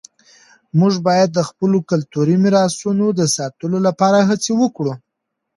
موږ باید د خپلو کلتوري میراثونو د ساتلو لپاره هڅه وکړو.